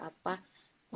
gak bisa mengatur